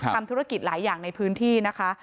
ทำธุรกิจหลายอย่างในพื้นที่นะคะ